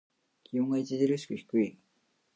気温が著しく低い。